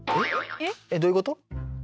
えっどういうこと？